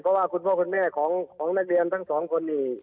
เพราะว่าคุณพ่อคุณแม่ของนักเรียนทั้งสองคนนี่